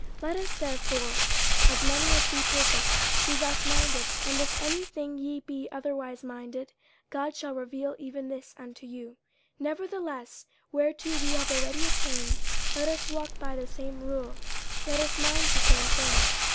50:003:015 Let us therefore, as many as be perfect, be thus minded: and if in any thing ye be otherwise minded, God shall reveal even this unto you. 50:003:016 Nevertheless, whereto we have already attained, let us walk by the same rule, let us mind the same thing.